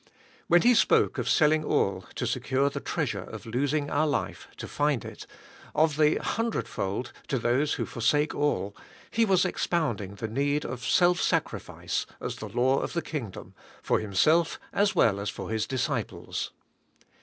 When He spoke of selling all to secure the treasure of losing our life to find it, of the hundred i FORSAKING ALL FOR HIM. 123 fold to those who forsake all. He was expounding the need of self sacrifice as the law of the kingdom for Himself as well as for His disciples.